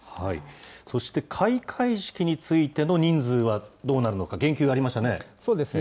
そして開会式についての人数はどうなるのか、言及がありましそうですね。